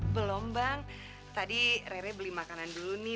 belom bang tadi rere beli makanan dulu nih